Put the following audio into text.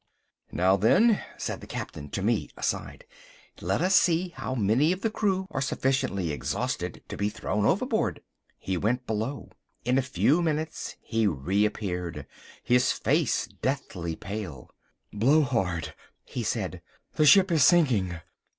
"Now, then," said the Captain to me aside, "let us see how many of the crew are sufficiently exhausted to be thrown overboard." He went below. In a few minutes he re appeared, his face deadly pale. "Blowhard," he said, "the ship is sinking.